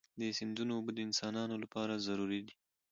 د سیندونو اوبه د انسانانو لپاره ضروري دي.